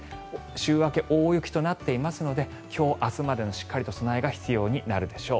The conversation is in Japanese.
週明け、大雪となっていますので今日明日までのしっかりと備えが必要になるでしょう。